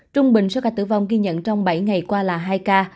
trung bình số ca tử vong ghi nhận trong bảy ngày qua là hai ca